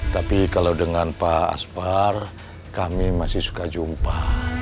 tapi kalau dengan pak aspar kami masih suka jumpa